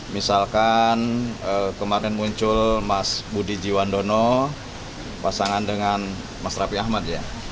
misalkan kemarin muncul mas budi jiwandono pasangan dengan mas raffi ahmad ya